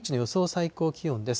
最高気温です。